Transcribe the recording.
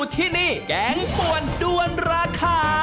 สวัสดีครับ